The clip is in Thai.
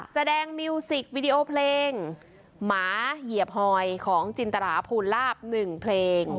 แสดงวีดีโอเพลงหมาเหยียบหอยของจินตระพูดลาบหนึ่งเพลงโอ้